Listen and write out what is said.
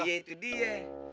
iya itu dia